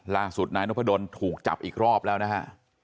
ล่าสุดนายนพดลถูกจับอีกรอบแล้วนะฮะ